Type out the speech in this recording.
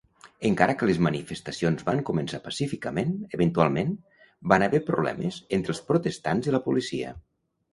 Encara que les manifestacions van començar pacíficament, eventualment van haver problemes entre els protestants i la policia.